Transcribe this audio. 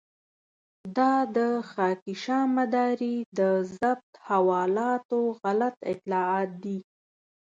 دا د خاکيشاه مداري د ضبط حوالاتو غلط اطلاعات دي.